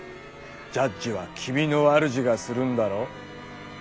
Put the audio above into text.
ジャッジは君の主がするんだろ。